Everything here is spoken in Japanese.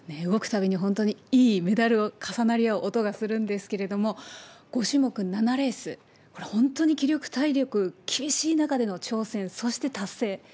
動くたびに、本当にいい、メダルの重なり合う音がするんですけれども、５種目７レース、これ、本当に気力、体力厳しい中での挑戦、そして達成。